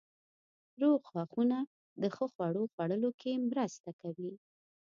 روغ غاښونه د ښه خوړو خوړلو کې مرسته کوي.